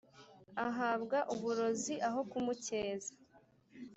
ahabwa uburozi aho kumukeza